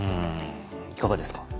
いかがですか？